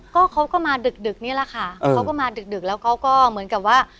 ก็เขาก็มาดึกดึกนี่แหละค่ะเขาก็มาดึกดึกแล้วเขาก็เหมือนกับว่า